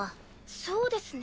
そうですね。